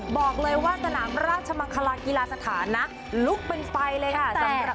บอกเลยว่าสนามราชมังคลากีฬาสถานะลุกเป็นไฟเลยค่ะ